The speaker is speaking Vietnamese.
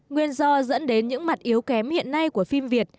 nguyên do dẫn đến những mặt yếu kém hiện nay của phim việt